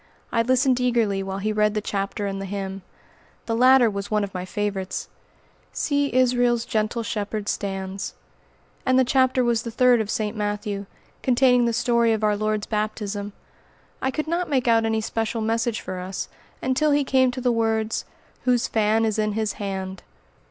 I listened eagerly while he read the chapter and the hymn. The latter was one of my favorites: "See Israel's gentle Shepherd stands;" and the chapter was the third of St. Matthew, containing the story of our Lord's baptism. I could not make out any special message for us, until he came to the words, "Whose fan is in his hand."